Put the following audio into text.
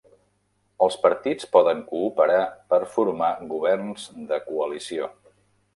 Els partits poden cooperar per formar governs de coalició.